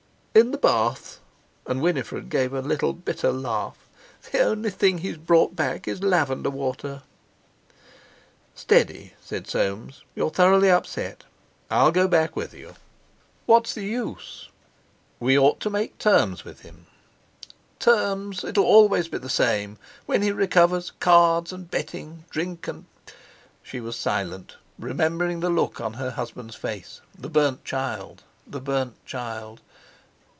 "In the bath," and Winifred gave a little bitter laugh. "The only thing he's brought back is lavender water." "Steady!" said Soames, "you're thoroughly upset. I'll go back with you." "What's the use?" "We ought to make terms with him." "Terms! It'll always be the same. When he recovers—cards and betting, drink and...!" She was silent, remembering the look on her husband's face. The burnt child—the burnt child.